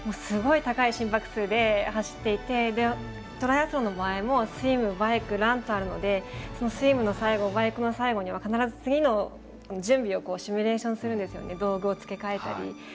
すごい高い心拍数で走っていてトライアスロンの場合もスイム、バイク、ランとあるのでスイムの最後、バイクの最後には必ず次の準備をシミュレーションするんですけど道具を付け替えたり。